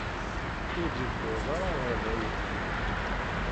Ur d-wwiḍeɣ ara ɣer da uqbel-ik.